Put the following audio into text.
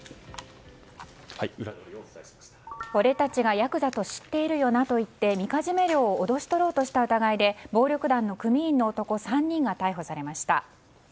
俺たちがヤクザと知っているよなと言ってみかじめ料を脅し取ろうとした疑いで暴力団の組員の男３人が逮捕されました。